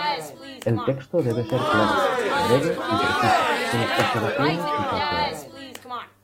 El texto debe ser claro, breve y preciso, sin exageraciones ni falsedades.